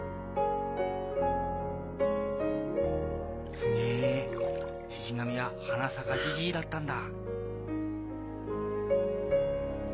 すげぇシシ神は花咲かジジイだったんだ。